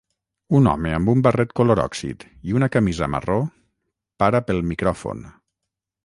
Un home amb un barret color òxid i una camisa marró para pel micròfon.